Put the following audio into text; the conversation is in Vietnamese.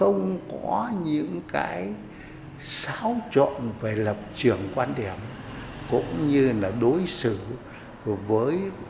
ông đặc biệt ấn tượng về một vị lãnh đạo dàn dị hết lòng cống hiến cho tổ quốc